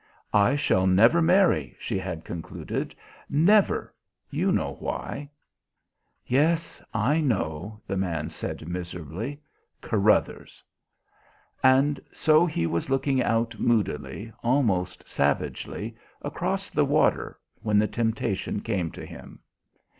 "I shall never marry," she had concluded. "Never. You know why." "Yes, I know," the man said miserably. "Carruthers." And so he was looking out moodily, almost savagely, across the water when the temptation came to him.